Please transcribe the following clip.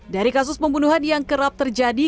dari kasus pembunuhan yang kerap terjadi